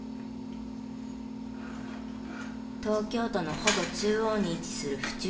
東京都のほぼ中央に位置する府中市。